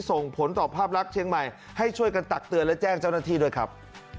ส่งผลต่อภาพลักษณ์เชียงใหม่ให้ช่วยกันตักเตือนและแจ้งเจ้าหน้าที่ด้วยครับ